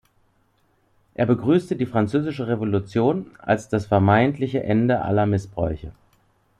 Er begrüßte die Französische Revolution als das vermeintliche Ende aller Missbräuche.